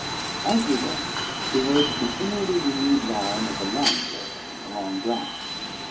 As we went, we heard the continually renewed larum of a landrail in the long grass.